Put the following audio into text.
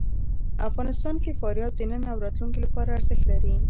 افغانستان کې فاریاب د نن او راتلونکي لپاره ارزښت لري.